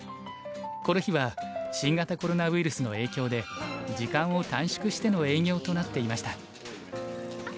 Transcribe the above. この日は新型コロナウイルスの影響で時間を短縮しての営業となっていました。